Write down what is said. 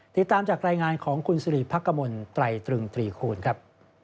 ติดตามจากรายงานของคุณสิริพักกมลไตรตรึงตรีคูณครับ